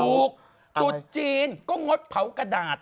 ถูกตุดจีนก็งดเผากระดาษ